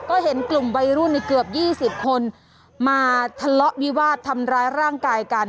ก็เห็นกลุ่มวัยรุ่นเกือบ๒๐คนมาทะเลาะวิวาสทำร้ายร่างกายกัน